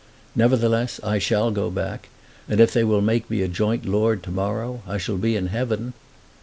Nevertheless I shall go back, and if they will make me a joint lord to morrow I shall be in heaven!